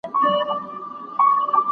د ذمي حقوقو ته په درنه سترګه وګورئ.